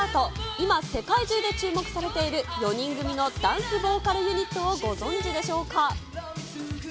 今、世界中で注目されている４人組のダンスボーカルユニットをご存じでしょうか。